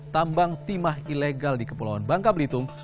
tambang timah ilegal di kepulauan bangka belitung